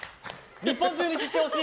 日本中に知って欲しい！